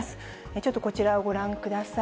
ちょっとこちらをご覧ください。